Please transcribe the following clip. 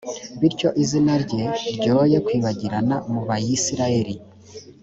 bityo izina rye ryoye kwibagirana mu bayisraheli.